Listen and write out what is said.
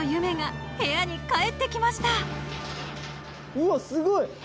うわっすごい。